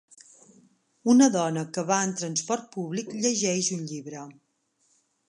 Una dona que va en transport públic llegeix un llibre.